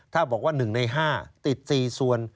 ถ้าบอกว่า๑ใน๕ติด๔ส่วน